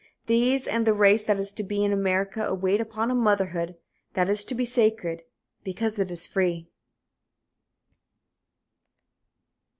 These and the race that is to be in America await upon a motherhood that is to be sacred because it is free.